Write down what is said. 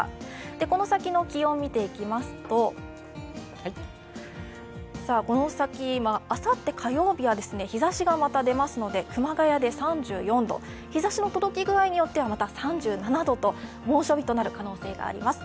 この先の気温を見ていきますと、あさって火曜日は日ざしがまた出ますので熊谷で３４度、日ざしの届き具合によってはまた３７度と猛暑日となる可能性があります。